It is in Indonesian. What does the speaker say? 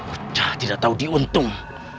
aku tidak tahu diuntung